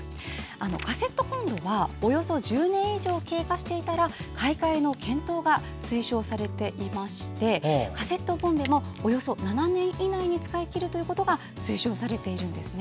カセットコンロはおよそ１０年以上経過していたら買い替えの検討が推奨されていましてカセットボンベもおよそ７年以内に使い切ることが推奨されているんです。